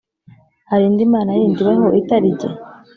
hari indi mana yindi ibaho, itari jye?